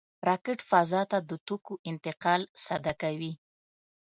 راکټ فضا ته د توکو انتقال ساده کوي